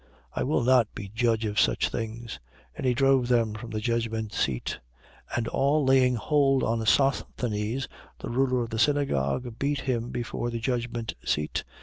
I will not be judge of such things. 18:16. And he drove them from the judgment seat. 18:17. And all laying hold on Sosthenes, the ruler of the synagogue, beat him before the judgment seat.